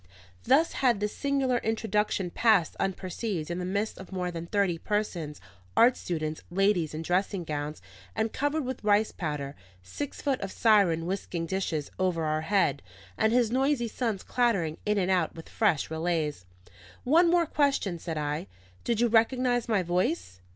Thus had this singular introduction passed unperceived in the midst of more than thirty persons, art students, ladies in dressing gowns and covered with rice powder, six foot of Siron whisking dishes over our head, and his noisy sons clattering in and out with fresh relays. "One question more," said I: "Did you recognise my voice?"